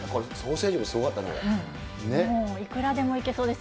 もういくらでもいけそうです